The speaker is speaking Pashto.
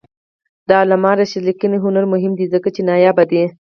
د علامه رشاد لیکنی هنر مهم دی ځکه چې نایابه دی.